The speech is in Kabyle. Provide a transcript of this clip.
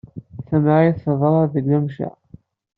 Tamɛayt teḍra deg Lemceɛ.